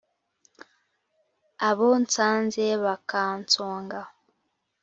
abo nsanze bakansonga